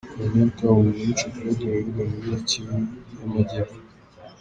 Colonel Kabundi na Mico Claude baravugwa muri Kivu y’amajyepfo